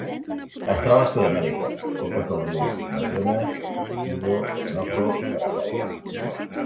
Es troba a Sud-amèrica: conques dels rius Amazones, Essequibo, Orinoco i Paraguai.